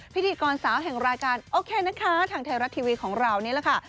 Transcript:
พิธีกรสาวแห่งรายการโอเคนะคะทางไทยรัฐทีวีของเรานี่แหละค่ะ